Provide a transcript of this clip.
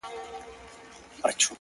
گراني چي ستا سره خبـري كوم ـ